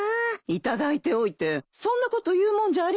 頂いておいてそんなこと言うもんじゃありませんよ。